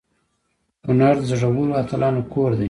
کنړ د زړورو اتلانو کور دی.